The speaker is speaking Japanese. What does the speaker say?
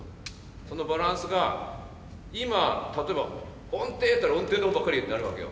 そのバランスが今例えば音程っていったら音程の方ばっかりになるわけよ。